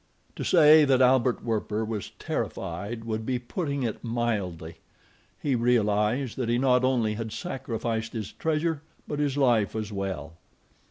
To say that Albert Werper was terrified would be putting it mildly. He realized that he not only had sacrificed his treasure; but his life as well.